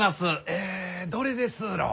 えどれですろう？